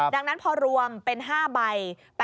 ดังนั้นพอรวมเป็น๕ใบ